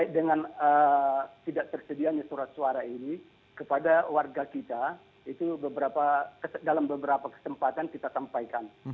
dengan tidak tersedianya surat suara ini kepada warga kita itu dalam beberapa kesempatan kita sampaikan